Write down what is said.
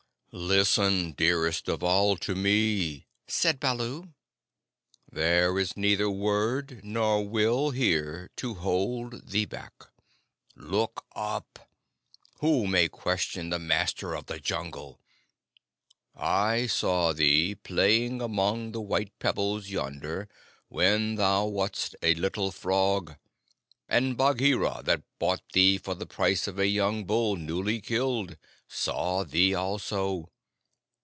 "Listen, dearest of all to me," said Baloo. "There is neither word nor will here to hold thee back. Look up! Who may question the Master of the Jungle? I saw thee playing among the white pebbles yonder when thou wast a little frog; and Bagheera, that bought thee for the price of a young bull newly killed, saw thee also.